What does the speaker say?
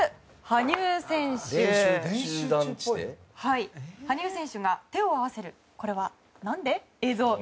羽生選手が手を合わせるこれは何で？